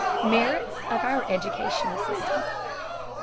MERITS OF OUR EDUCATIONAL SYSTEM.